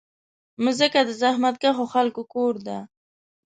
مځکه د زحمتکښو خلکو کور ده.